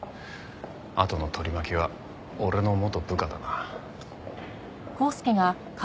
あとの取り巻きは俺の元部下だな。